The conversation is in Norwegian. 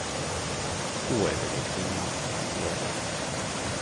Ho eg ville kruna med glede.